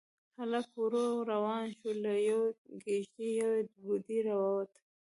هلک ورو روان شو، له يوې کېږدۍ يوه بوډۍ راووته.